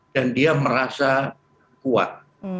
dan dia merasa kuat